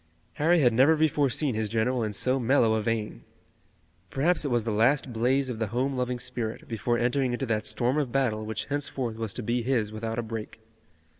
Harry had never before seen his general in so mellow a vein. Perhaps it was the last blaze of the home loving spirit, before entering into that storm of battle which henceforth was to be his without a break.